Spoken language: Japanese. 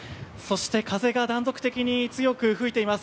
そして風が断続的に強く吹いています。